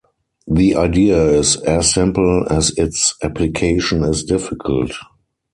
The idea is as simple as its application is difficult.